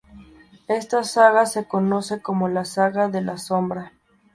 Esta saga se conoce como "La saga de la Sombra".